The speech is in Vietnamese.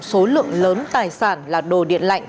số lượng lớn tài sản là đồ điện lạnh